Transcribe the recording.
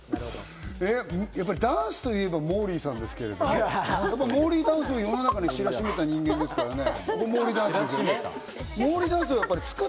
ダンスといえばモーリーさんですけど、モーリーダンスを世の中に知らしめた人間ですからね。